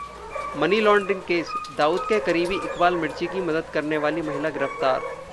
money laundering case: Dawood के करीबी इकबाल मिर्ची की मदद करने वाली महिला गिरफ्तार